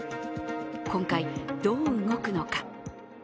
今回、どう動くのか。